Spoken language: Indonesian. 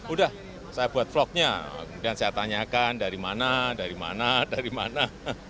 udah saya buat vlognya kemudian saya tanyakan dari mana dari mana dari mana